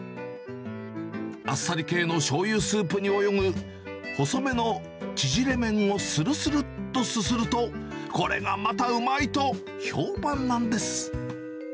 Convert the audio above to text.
あっさり系のしょうゆスープに泳ぐ細めの縮れ麺をするするっとすすると、これがまたうまいと評判なんです。